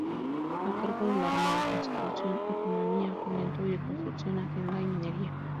A cargo de la Armada: Constitución, Economía, Fomento y Reconstrucción, Hacienda y Minería.